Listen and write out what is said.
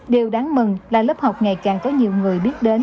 điều đáng mừng là lớp học ngày càng có nhiều người biết đến